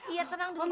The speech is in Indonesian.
iya tenang dulu bapak